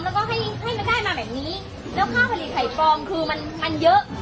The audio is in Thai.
แล้วก็ให้ให้มันได้มาแบบนี้แล้วค่าผลิตไข่ฟองคือมันมันเยอะ